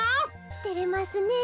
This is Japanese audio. てれますねえ。